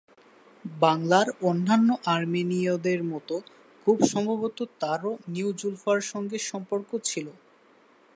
বাংলার অন্যান্য আর্মেনীয়দের মতো খুব সম্ভবত তারও নিউ জুলফার সঙ্গে সম্পর্ক ছিল।